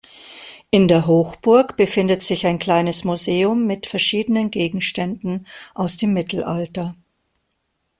In der Hochburg befindet sich ein kleines Museum mit verschiedenen Gegenständen aus dem Mittelalter.